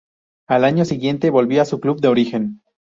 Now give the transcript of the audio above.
Al año siguiente, volvió a su club de origen.